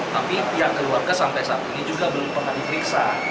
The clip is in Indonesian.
tapi pihak keluarga sampai saat ini juga belum pernah diperiksa